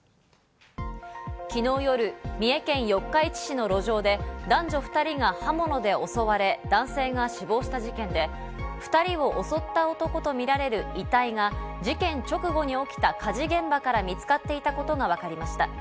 昨日夜、三重県四日市市の路上で、男女２人が刃物で襲われ男性が死亡した事件で、２人を襲った男とみられる遺体が事件直後に起きた火事現場から見つかっていたことがわかりました。